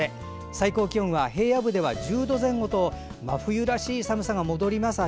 最高気温は平野部では１０度前後とあした真冬らしい寒さが戻ります。